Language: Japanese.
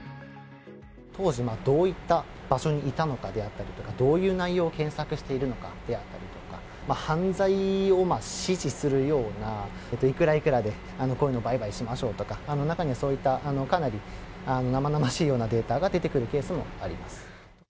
当時どういった場所にいたのかであったりとか、どういう内容を検索しているのかであったりとか、犯罪を指示するような、いくらいくらでこういうの売買しましょうとか、中にはそういった、かなりなまなましいようなデータが出てくるケースもあります。